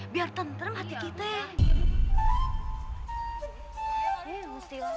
biar tentrem hati kita ya